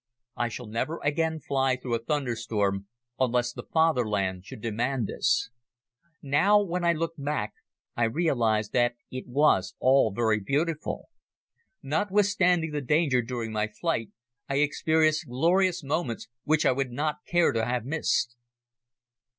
I shall never again fly through a thunderstorm unless the Fatherland should demand this. Now, when I look back, I realize that it was all very beautiful. Notwithstanding the danger during my flight, I experienced glorious moments which I would not care to have missed.